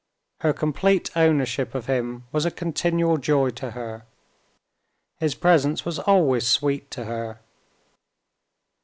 Her complete ownership of him was a continual joy to her. His presence was always sweet to her.